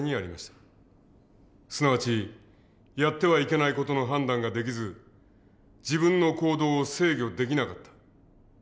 すなわちやってはいけない事の判断ができず自分の行動を制御できなかった。